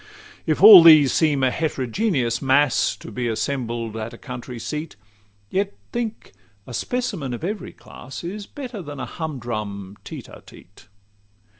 XCIV If all these seem a heterogeneous mass To be assembled at a country seat, Yet think, a specimen of every class Is better than a humdrum tete a tete.